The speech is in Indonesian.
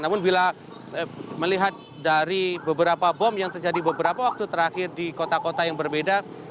namun bila melihat dari beberapa bom yang terjadi beberapa waktu terakhir di kota kota yang berbeda